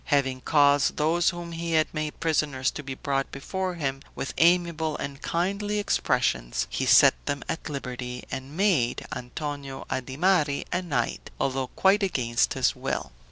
Having caused those whom he had made prisoners to be brought before him, with amiable and kindly expressions he set them at liberty, and made Antonio Adimari a knight, although quite against his will.